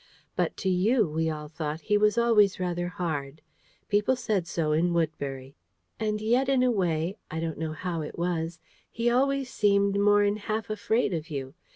But to you, we all thought he was always rather hard. People said so in Woodbury. And yet, in a way, I don't know how it was, he always seemed more'n half afraid of you.